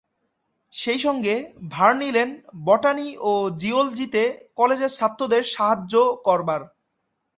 সেই সঙ্গে ভার নিলেন বটানি ও জিয়লজিতে কালেজের ছাত্রদের সাহায্য করবার।